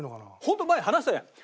ホント前話したじゃん。